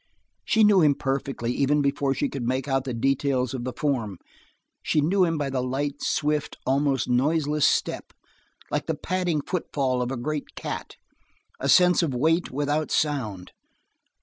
She knew him perfectly even before she could make out the details of the form; she knew him by the light, swift, almost noiseless step, like the padding footfall of a great cat a sense of weight without sound.